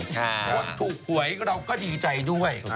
คนถูกหวยเราก็ดีใจด้วย